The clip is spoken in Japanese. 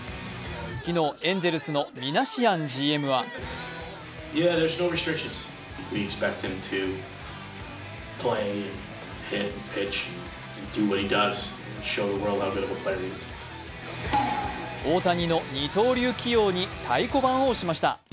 昨日、エンゼルスのミナシアンＧＭは大谷の二刀流起用に太鼓判を押しました。